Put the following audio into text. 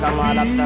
yang menjaga kita